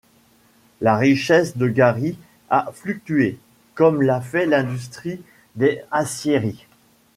La richesse de Gary a fluctué comme l'a fait l'industrie des aciéries.